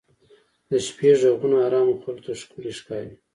د شپې ږغونه ارامو خلکو ته ښکلي ښکاري.